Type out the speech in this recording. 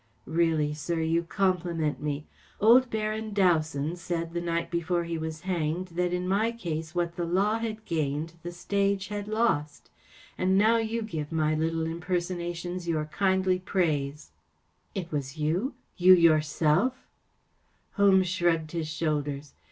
‚ÄĚ Really, sir, you compliment me. Old Baron Dowson said the night before he was hanged that in my case what the law had gained the stage had lost. And now you give my Uttle impersonations your kindlv U#H£RSITY OF MICHIGAN 294 The Adventure of 44 It was you‚ÄĒyou yourself ? ‚ÄĚ Holmes shrugged his shoulders.